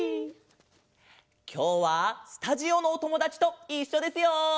きょうはスタジオのおともだちといっしょですよ！